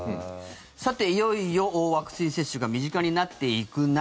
いよいよワクチン接種が身近になっていく中